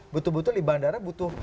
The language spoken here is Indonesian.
betul betul di bandara butuh